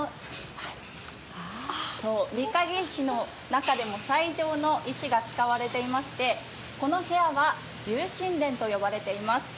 御影石の中でも最上の石が使われていましてこの部屋は、又新殿と呼ばれています。